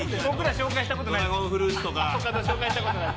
紹介したことない。